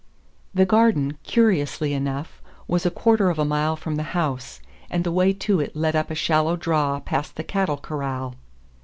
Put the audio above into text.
The garden, curiously enough, was a quarter of a mile from the house, and the way to it led up a shallow draw past the cattle corral.